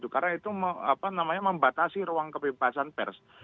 karena itu membatasi ruang kebebasan pers